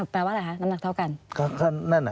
แปลว่าอะไรคะน้ำหนักเท่ากัน